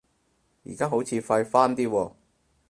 而家好似快返啲喎